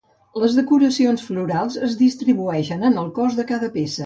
Les decoracions florals es distribueixen en el cos de cada peça.